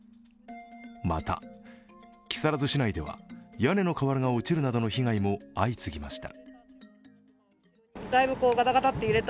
また、木更津市内では屋根の瓦が落ちるなどの被害も相次ぎました。